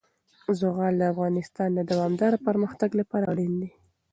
زغال د افغانستان د دوامداره پرمختګ لپاره اړین دي.